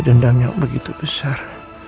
dendam yang begitu besar